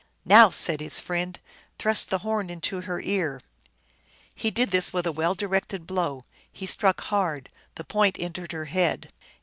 " Now," said his friend, " thrust the horn into her ear !" He did this with a well directed blow ; he struck hard ; the point entered her head.